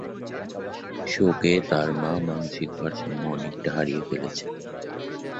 শোকে তার মা মানসিক ভারসাম্য অনেকটা হারিয়ে ফেলেছিলেন।